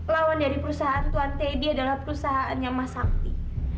lawan dari perusahaan tuan teddy adalah perusahaannya mas sakti